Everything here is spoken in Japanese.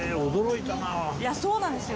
いやそうなんですよ。